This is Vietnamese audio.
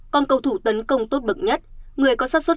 còn cầu thủ tấn công tốt bậc nhất